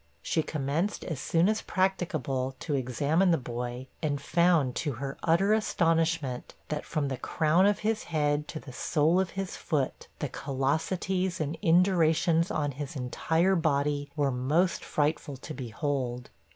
She commenced as soon as practicable to examine the boy, and found, to her utter astonishment, that from the crown of his head to the sole of his foot, the callosities and indurations on his entire body were most frightful to behold.